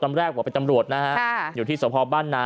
ตำแรกว่าเป็นตำรวจนะครับ